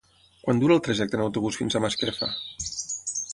Quant dura el trajecte en autobús fins a Masquefa?